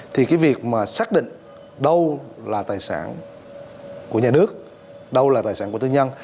thì cái việc mà xác định đâu là tài sản của nhà nước đâu là tài sản của tư nhân